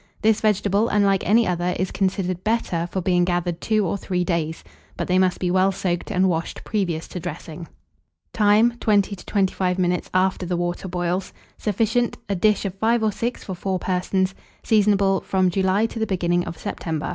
This vegetable, unlike any other, is considered better for being gathered two or three days; but they must be well soaked and washed previous to dressing. Time. 20 to 25 minutes, after the water boils. Sufficient, a dish of 5 or 6 for 4 persons. Seasonable from July to the beginning of September.